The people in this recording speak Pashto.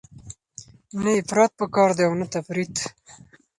نه افراط پکار دی او نه تفریط.